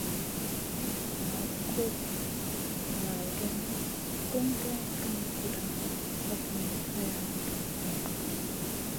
Ŋal kuɗ ŋal geyni, tun duwayda kam kuɗa, hog niyn haya, dug vun.